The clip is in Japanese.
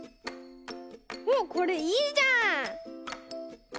おっこれいいじゃん。